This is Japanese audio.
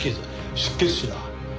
失血死だ。